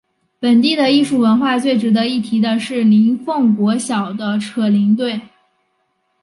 本地的艺术文化最值得一提的是林凤国小的扯铃队。